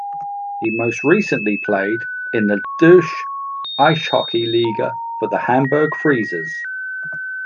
He most recently played in the Deutsche Eishockey Liga for the Hamburg Freezers.